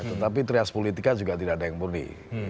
tetapi trias politika juga tidak ada yang murni